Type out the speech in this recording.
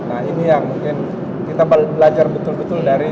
nah ini yang mungkin kita belajar betul betul dari